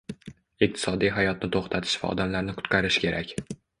Iqtisodiy hayotni to'xtatish va odamlarni qutqarish kerak